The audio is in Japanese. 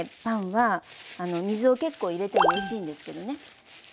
パンは水を結構入れてもおいしいんですけどね。